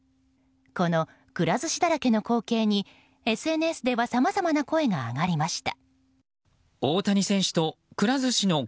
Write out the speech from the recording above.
この、くら寿司だらけの光景にＳＮＳではさまざまな声が上がりました。